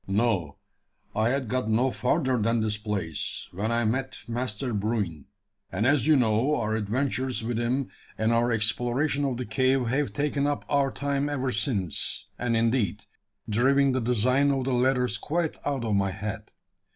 "No. I had got no further than this place, when I met Master Bruin; and, as you know, our adventures with him and our exploration of the cave have taken up our time ever since, and, indeed, driven the design of the ladders quite out of my head.